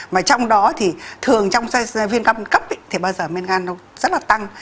mà trong đó thì thường trong viêm gan cấp thì bao giờ men gan nó rất là tăng